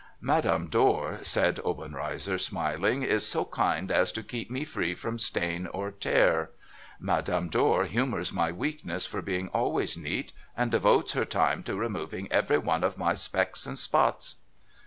* Madame Dor,' said Obenreizer, smiling, ' is so kind as to keep me free from stain or tear. Madame Dor humours my weakness for being always neat, and devotes her time to removing every one of my specks and spots.'